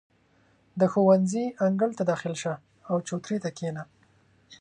• د ښوونځي انګړ ته داخل شه، او چوترې ته کښېنه.